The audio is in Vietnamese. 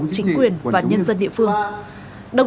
chính quyền và nhân dân địa phương